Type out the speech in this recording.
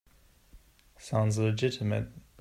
Sounds legitimate.